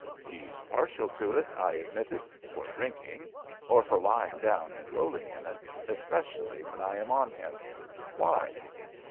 "He's partial to it," I admitted, "for drinking, or for lying down and rolling in it, especially when I am on him. Why?"